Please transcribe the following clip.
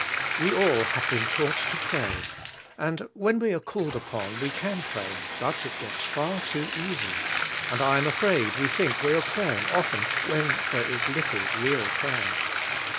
We all have been taught to pray, and v^'hen we are called upon we can pray, but it gets far too easy, and I am afraid we think we are praying often when there is little real prayer.